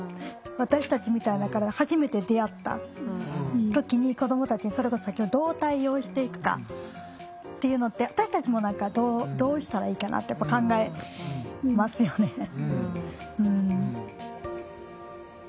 私たちみたいな体初めて出会った時に子どもたちにそれこそどう対応していくかっていうのって私たちも何かどうしたらいいかなってやっぱ考えますよね。